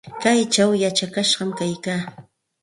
Kaychaw yachakashqam kaykaa.